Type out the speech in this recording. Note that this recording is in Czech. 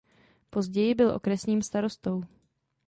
Později byl okresním starostou.